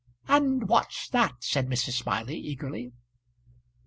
"And what's that?" said Mrs. Smiley, eagerly.